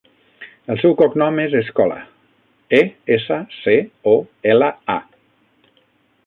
El seu cognom és Escola: e, essa, ce, o, ela, a.